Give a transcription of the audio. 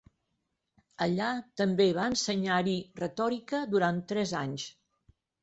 Allà també va ensenyar-hi retòrica durant tres anys.